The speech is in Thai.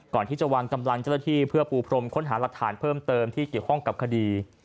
ก่อนที่จะวางกำลังเจ้าหน้าที่เพื่อปูพรมค้นหาหลักฐานเพิ่มเติมที่เกี่ยวข้องกับคดี